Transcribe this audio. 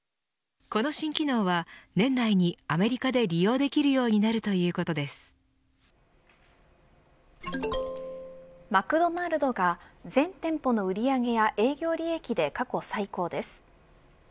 この新機能は年内にアメリカで利用できるようになるマクドナルドが全店舗の売り上げや営業利益で過去最高です。